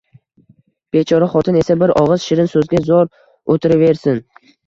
Bechora xotin esa bir og'iz shirin so'zga zor o'tiraversin